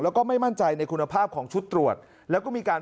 แล้วก็ไม่มั่นใจในคุณภาพของชุดตรวจแล้วก็มีการ